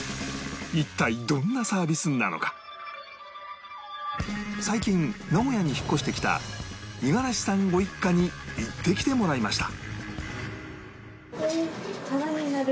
一体最近名古屋に引っ越してきた五十嵐さんご一家に行ってきてもらいました